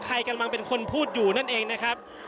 ใครกำลังเป็นคนพูดอยู่นั่นเองนะครับ